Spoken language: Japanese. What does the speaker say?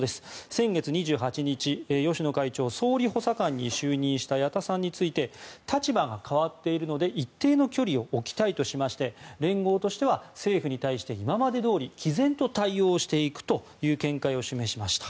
先月２８日、芳野会長総理補佐官に就任した矢田さんについて立場が変わっているので一定の距離を置きたいとしまして連合としては政府に対して今までどおり毅然と対応していくという見解を示しました。